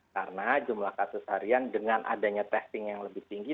karena jumlah kasus harian dengan adanya testing yang lebih tinggi